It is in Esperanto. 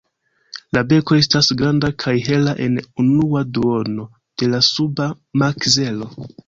La beko estas granda kaj hela en unua duono de la suba makzelo.